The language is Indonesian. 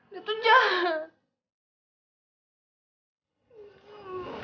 dia tuh jahat